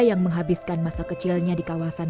yang menghabiskan masa kecilnya di kawasan